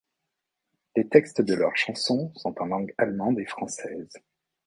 Les textes de leurs chansons sont en langues allemande et française.